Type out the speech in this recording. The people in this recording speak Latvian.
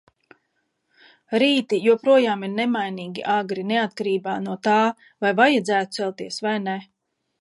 Rīti joprojām ir nemainīgi agri, neatkarībā no tā, vai vajadzētu celties, vai ne.